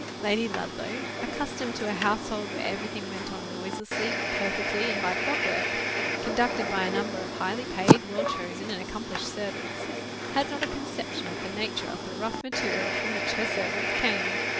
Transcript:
Lady Ludlow, accustomed to a household where everything went on noiselessly, perfectly, and by clockwork, conducted by a number of highly paid, well chosen, and accomplished servants, had not a conception of the nature of the rough material from which her servants came.